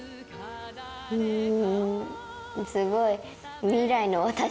うんすごい。